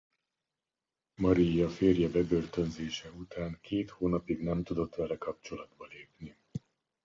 Marija férje bebörtönzése után két hónapig nem tudott vele kapcsolatba lépni.